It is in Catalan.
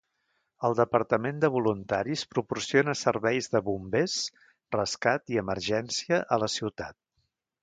El departament de voluntaris proporciona serveis de bombers, rescat i emergència a la ciutat.